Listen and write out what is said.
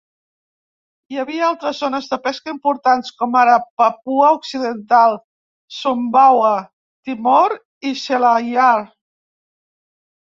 Hi havia altres zones de pesca importants, com ara Papua Occidental, Sumbawa, Timor i Selayar.